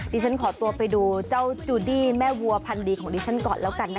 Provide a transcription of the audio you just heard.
ฉันขอตัวไปดูเจ้าจูดี้แม่วัวพันดีของดิฉันก่อนแล้วกันนะคะ